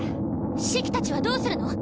シキたちはどうするの？